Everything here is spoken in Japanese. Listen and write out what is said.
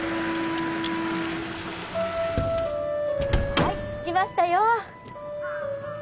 はい着きましたよ